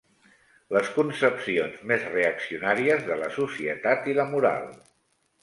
Les concepcions més reaccionàries de la societat i la moral.